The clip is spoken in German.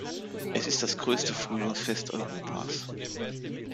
Es ist das größte Frühlingsfest Europas.